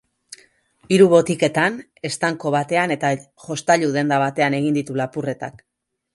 Hiru botiketan, estanko batean eta jostailu-denda batean egin ditu lapurretak.